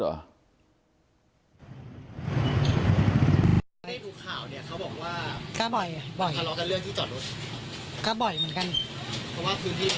ในทุกข่าวเนี้ยเขาบอกว่ามันทะเลาะกันเรื่องที่จอดรถ